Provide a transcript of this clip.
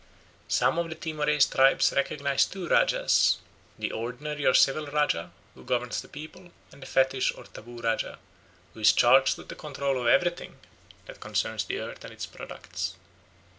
Some of the Timorese tribes recognise two rajahs, the ordinary or civil rajah, who governs the people, and the fetish or taboo rajah, who is charged with the control of everything that concerns the earth and its products.